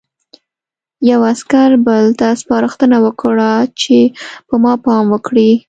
یوه عسکر بل ته سپارښتنه وکړه چې په ما پام وکړي